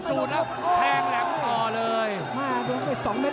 ติดตามยังน้อยกว่า